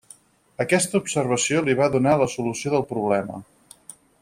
Aquesta observació li va donar la solució del problema.